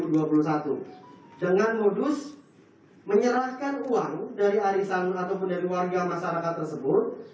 dengan modus menyerahkan uang dari arisan ataupun dari warga masyarakat tersebut